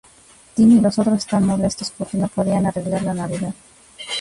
Timmy y los otros están molestos porque no podían arreglar la Navidad.